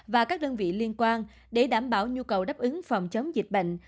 và các đơn vị liên quan để đảm bảo nhu cầu đáp ứng phòng chống dịch bệnh